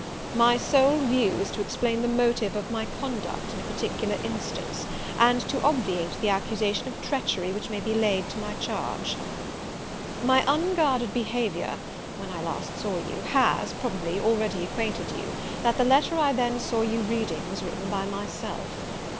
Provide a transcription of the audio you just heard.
My sole view is to explain the motive of my conduct in a particular instance, and to obviate the accusation of treachery which may be laid to my charge. "My unguarded behaviour, when I last saw you, has, probably, already acquainted you, that the letter I then saw you reading was written by myself.